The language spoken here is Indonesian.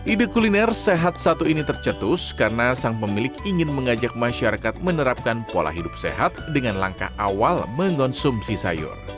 ide kuliner sehat satu ini tercetus karena sang pemilik ingin mengajak masyarakat menerapkan pola hidup sehat dengan langkah awal mengonsumsi sayur